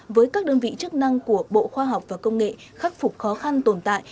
với các đơn vị chức năng của bộ khoa học và công nghệ khắc phục khó khăn tồn tại